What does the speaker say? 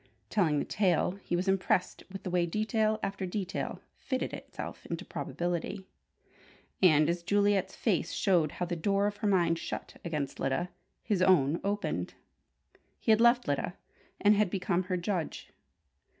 Telling the tale, he was impressed with the way detail after detail fitted itself into probability; and as Juliet's face showed how the door of her mind shut against Lyda, his own opened. He had left Lyda, and had become her judge.